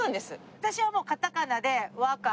私はもうカタカナで。